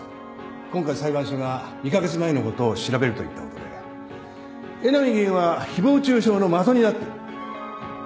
今回裁判所が２カ月前のことを調べるといったことで江波議員は誹謗中傷の的になっている。